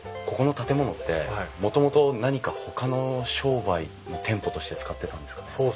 ここの建物ってもともと何かほかの商売の店舗として使ってたんですかね？